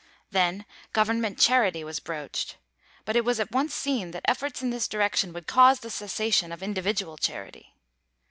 Then government charity was broached; but it was at once seen that efforts in this direction would cause the cessation of individual charity.